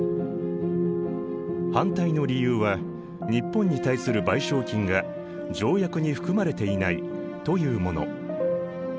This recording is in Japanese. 反対の理由は日本に対する賠償金が条約に含まれていないというもの。